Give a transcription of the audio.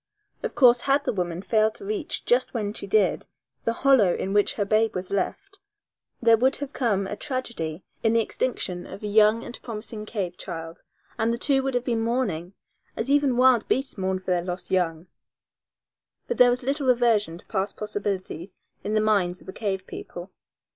Of course, had the woman failed to reach just when she did the hollow in which her babe was left there would have come a tragedy in the extinction of a young and promising cave child, and the two would have been mourning, as even wild beasts mourn for their lost young. But there was little reversion to past possibilities in the minds of the cave people.